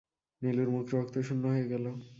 নীলুর মুখ রক্তশূন্য হয়ে গেল।